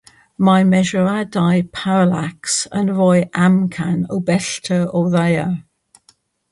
Mae mesuriadau paralacs yn rhoi amcan o bellter o'r Ddaear.